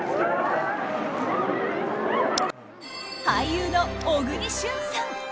俳優の小栗旬さん。